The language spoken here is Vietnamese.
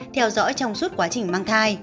theo dõi trong suốt quá trình mang thai